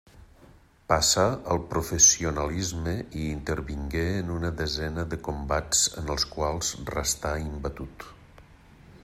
Passà al professionalisme i intervingué en una desena de combats en els quals restà imbatut.